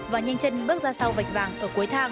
và nhanh chân bước ra sau vạch vàng ở cuối thang